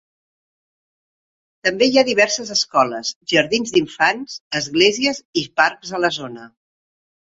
També hi ha diverses escoles, jardins d'infants, esglésies i parcs a la zona.